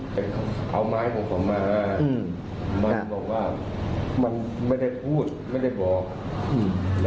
สุดท้ายตำรวจมาควบคุมตัวเนี่ยทำลายหลักฐานหมดแล้วแค่เห็นเท่านั้นแต่ไม่ได้เกี่ยวข้อง